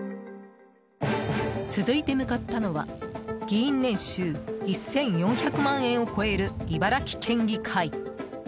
続いて向かったのは議員年収１４００万円を超える茨城県議会。